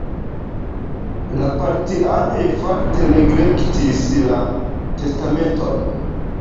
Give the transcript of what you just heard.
La partianoj fakte neglektis la testamenton.